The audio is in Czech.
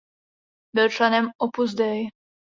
Byl členem Opus Dei.